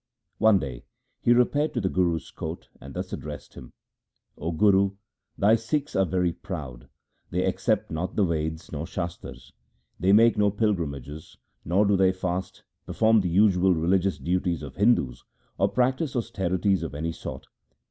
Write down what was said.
One day he repaired to the Guru's court and thus addressed him :' O Guru, thy Sikhs are very proud ; they accept not the Veds or Shastars ; they make no pilgrimages ; nor do they fast, perform the usual religious duties of Hindus, or practise austerities of any sort.